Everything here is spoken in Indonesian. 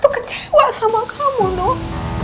kecewa sama kamu dong